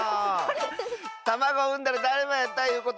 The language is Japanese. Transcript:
たまごをうんだらだるまやったいうことか？